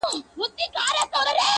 راته راکړۍ څه ډوډۍ مسلمانانو.!